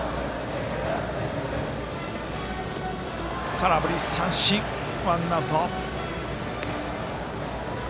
空振り三振、ワンアウト。